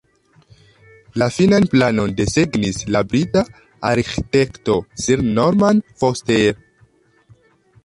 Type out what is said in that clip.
La finan planon desegnis la brita arĥitekto Sir Norman Foster.